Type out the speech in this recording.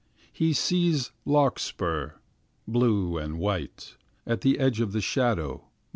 He sees larkspur. Blue and white. At the edge of the shadow.